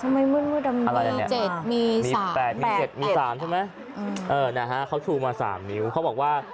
อะไรนะเนี่ยมี๗มี๘เห็นไหมเออนะฮะเขาชูมา๓นิ้วเขาบอกว่า